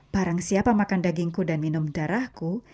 barang siapa makan dagingku dan minum darahku